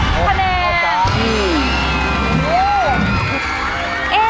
๑๖คะแนน